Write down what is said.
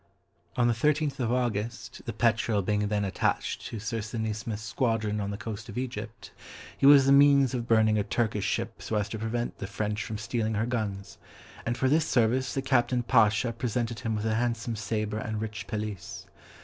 On the thirteenth of August, the Petrel being then attached to Sir Sydney Smith's squadron on the coast of Egypt, he was the means of burning a Turkish ship so as to prevent the French from stealing her guns, and for this service the Captain Pacha presented him with a handsome sabre and rich pelisse.